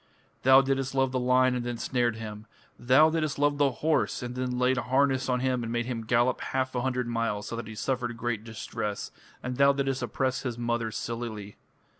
Thou didst love the lion and then snared him. Thou didst love the horse, and then laid harness on him and made him gallop half a hundred miles so that he suffered great distress, and thou didst oppress his mother Silili.